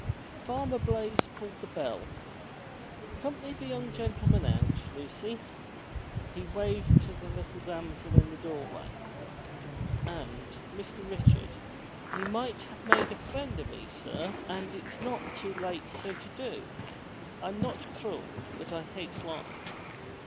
Farmer Blaize pulled the bell. " 'Comp'ny the young gentle man out, Lucy," he waved to the little damsel in the doorway. "And, Mr. Richard, ye might have made a friend o' me, sir, and it's not too late so to do. I'm not cruel, but I hate lies.